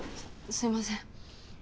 すいません。